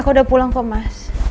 aku udah pulang ke mas